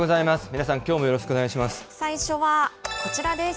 皆さんきょうもよろしくお願いし最初はこちらです。